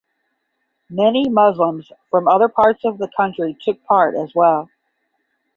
Many Muslims from other parts of the country took part as well.